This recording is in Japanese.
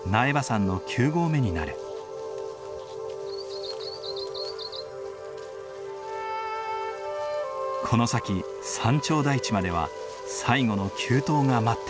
この先山頂台地までは最後の急登が待っている。